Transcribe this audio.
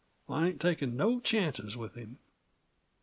I ain't takin' no chances with him."